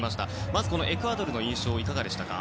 まずエクアドルの印象はいかがでしたか？